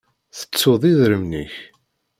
Tettuḍ idrimen-ik?